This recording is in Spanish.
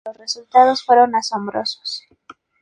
Creo que los resultados fueron asombrosos.